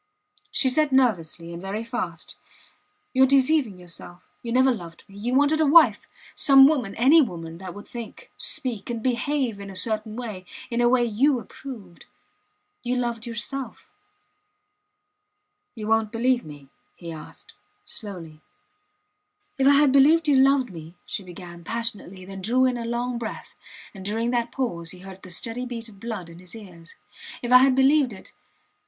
She said nervously, and very fast: You are deceiving yourself. You never loved me. You wanted a wife some woman any woman that would think, speak, and behave in a certain way in a way you approved. You loved yourself. You wont believe me? he asked, slowly. If I had believed you loved me, she began, passionately, then drew in a long breath; and during that pause he heard the steady beat of blood in his ears. If I had believed it ..